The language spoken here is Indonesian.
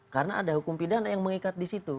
karena ada hukum pidana yang mengikat disitu